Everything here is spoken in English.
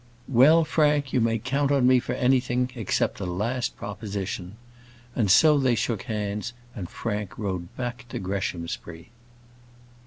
"Well, Frank, you may count on me for anything, except the last proposition:" and so they shook hands, and Frank rode back to Greshamsbury.